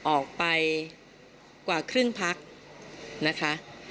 ออกไปกว่าครึ่งพักนะคะ